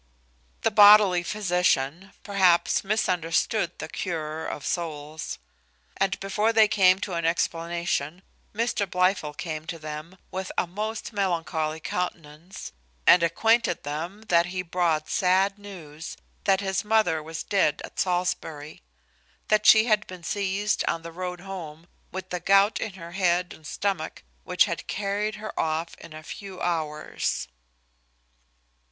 The bodily physician, perhaps, misunderstood the curer of souls; and before they came to an explanation, Mr Blifil came to them with a most melancholy countenance, and acquainted them that he brought sad news, that his mother was dead at Salisbury; that she had been seized on the road home with the gout in her head and stomach, which had carried her off in a few hours.